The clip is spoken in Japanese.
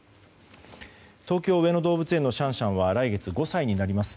東京・上野動物園のシャンシャンは来月５歳になります。